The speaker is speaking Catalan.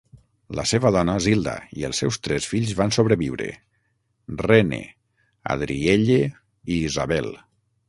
La seva dona, Zilda, i els seus tres fills van sobreviure: Rene, Adrielle i Isabel.